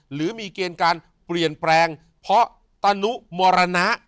หรือมีเกณฑ์การเปลี่ยนแปลงเพราะตนุมรณะ